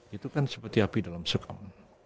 itu kan seperti api dalam sekam